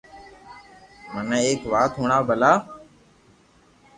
مني ايڪ وات ھڻاو ڀلا